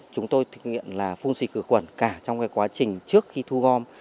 chúng tôi thực hiện phun xịt khử quẩn cả trong quá trình trước khi thu gom